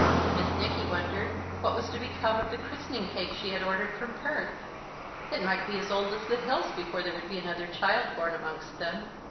Miss Nicky wondered what was to become of the christening cake she had ordered from Perth; it might be as old as the hills before there would be another child born amongst them.